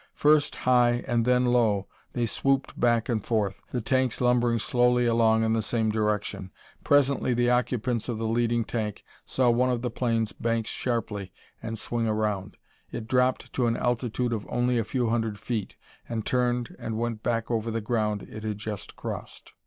First high and then low they swooped back and forth, the tanks lumbering slowly along in the same direction. Presently the occupants of the leading tank saw one of the planes bank sharply and swing around. It dropped to an altitude of only a few hundred feet and turned and went back over the ground it had just crossed.